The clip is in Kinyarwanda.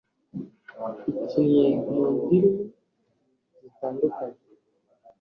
ikinye mu ndirimi zitandukanye